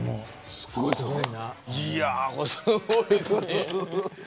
すごいですね。